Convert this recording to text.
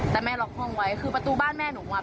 แต่แม่ล็อกห้องไว้คือประตูบ้านแม่หนูอ่ะ